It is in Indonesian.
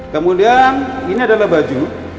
kemudian ini adalah baju